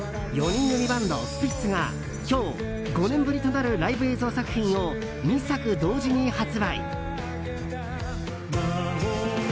４人組バンド、スピッツが今日、５年ぶりとなるライブ映像作品を２作同時に発売。